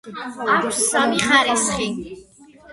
აქვს სამი ხარისხი.